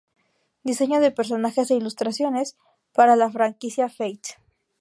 Diseño de personajes e ilustraciones para la franquicia Fate.